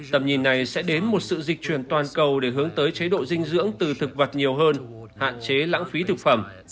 tầm nhìn này sẽ đến một sự dịch truyền toàn cầu để hướng tới chế độ dinh dưỡng từ thực vật nhiều hơn hạn chế lãng phí thực phẩm